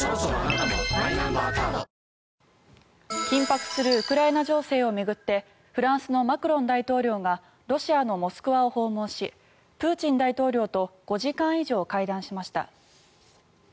緊迫するウクライナ情勢を巡ってフランスのマクロン大統領がロシアのモスクワを訪問しプーチン大統領と５時間以上会談しました。